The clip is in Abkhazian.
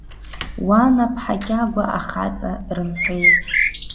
Уа Наԥҳа Кьагәа ахаҵа, рымҳәеи…